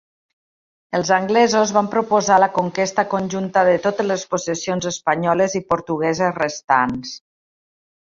Els anglesos van proposar la conquesta conjunta de totes les possessions espanyoles i portugueses restants.